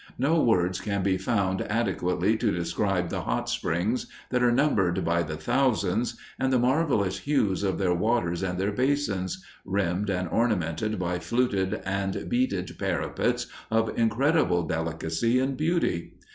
No words can be found adequately to describe the hot springs, that are numbered by the thousands, and the marvelous hues of their waters and their basins, rimmed and ornamented by fluted and beaded parapets of indescribable delicacy and beauty.